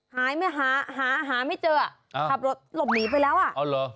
หายไม่หาหาหาไม่เจออ่ะขับรถหลบหนีไปแล้วอ่ะอ๋อเหรอ